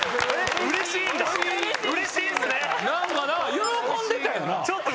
喜んでたよな。